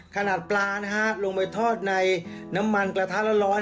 ขนาดปลานะฮะลงไปทอดในน้ำมันกระทะร้อน